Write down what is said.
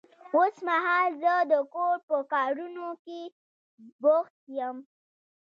اوس مهال زه د کور په کارونه کې بوخت يم.